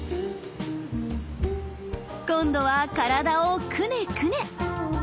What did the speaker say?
今度は体をくねくね。